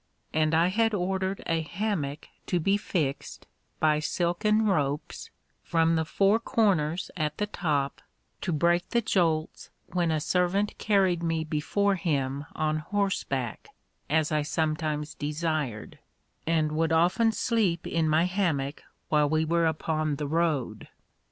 And I had ordered a hammock to be fixed, by silken ropes, from the four corners at the top, to break the jolts when a servant carried me before him on horseback, as I sometimes desired; and would often sleep in my hammock, while we were upon the road.